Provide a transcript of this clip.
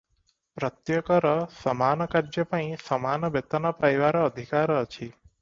ପ୍ରତ୍ୟେକର ସମାନ କାର୍ଯ୍ୟପାଇଁ ସମାନ ବେତନ ପାଇବାର ଅଧିକାର ଅଛି ।